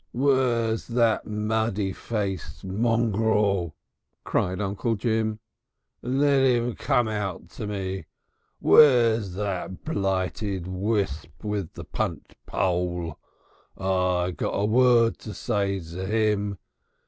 "Where's that muddy faced mongrel?" cried Uncle Jim. "Let 'im come out to me! Where's that blighted whisp with the punt pole I got a word to say to 'im.